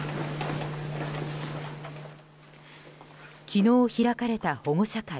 昨日開かれた保護者会。